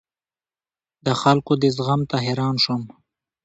د خلکو دې زغم ته حیران شوم.